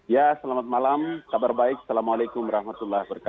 ya selamat malam kabar baik assalamualaikum warahmatullahi wabarakatuh